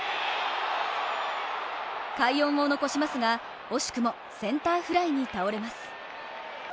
快音を残しますが、惜しくもセンターフライに倒れます。